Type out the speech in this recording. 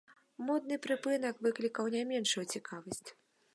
Модны прыпынак выклікаў не меншую цікавасць.